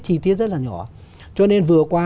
chi tiết rất là nhỏ cho nên vừa qua